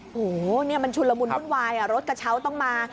โอ้โหเนี่ยมันชุนละมุนวุ่นวายรถกระเช้าต้องมา